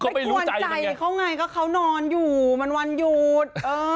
กวนใจเขาไงก็เขานอนอยู่มันวันหยุด